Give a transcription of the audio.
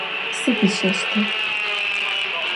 Сыд ышӏэщтыр?